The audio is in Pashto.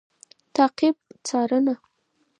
تعقیب √څارنه